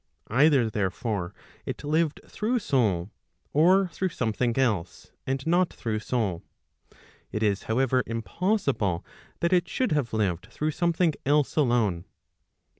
Either therefore it lived through soul, or through something else, and not through soul. It is however impossible that it should have lived through something else alone.